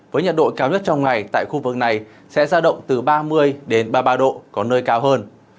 với nhiệt độ cao nhất trong ngày tại khu vực này sẽ ra động từ ba mươi đến ba mươi ba độ có nơi cao hơn